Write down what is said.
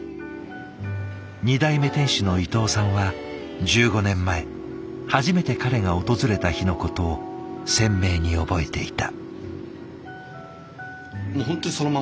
２代目店主の伊藤さんは１５年前初めて彼が訪れた日のことを鮮明に覚えていた。